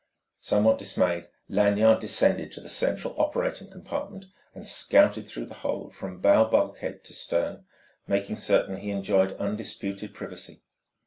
Somewhat dismayed, Lanyard descended to the central operating compartment and scouted through the hold from bow bulkhead to stern, making certain he enjoyed undisputed privacy.